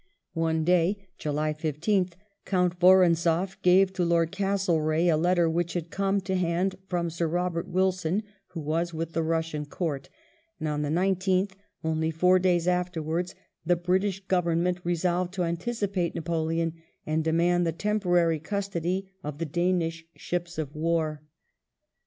One day, July 15th, Count Woronzov gave to Lord Castlereagh a letter which had come to hand from Sir Bobert Wilson, who was with the Bussian court; and on the 19th, only four days afterwards, the British Government resolved to anticipate Napoleon and demand the temporary custody of the Danish ships of war.